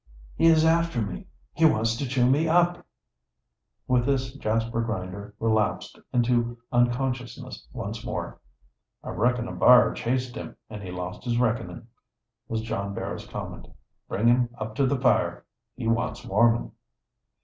"He is after me! He wants to chew me up!" With this Jasper Grinder relapsed into unconsciousness once more. "I reckon a b'ar chased him and he lost his reckonin'," was John Barrow's comment. "Bring him up to the fire. He wants warmin'."